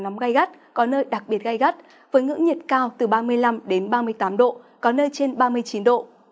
nắng nóng gai gắt có nơi đặc biệt gai gắt với ngưỡng nhiệt cao từ ba mươi năm đến ba mươi tám độ có nơi trên ba mươi chín độ